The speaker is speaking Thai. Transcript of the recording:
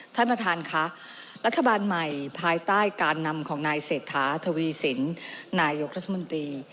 ท่านประธานค่ะรัฐบาลใหม่ภายใต้การนำของนายเศรษฐาทวีสินนายกรัฐมนตรี